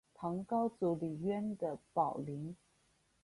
唐高祖李渊的宝林。